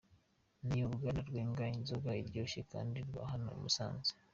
Ni uruganda rwenga inzoga iryoshye kandi rwa hano i Musanze.